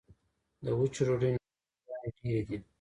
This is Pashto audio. د وچې ډوډۍ نانوایي ګانې ډیرې دي